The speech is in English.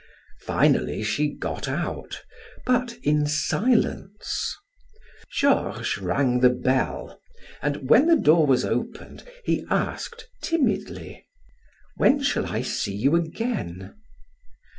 Finally she got out, but in silence. Georges rang the bell, and when the door was opened, he asked timidly: "When shall I see you again?"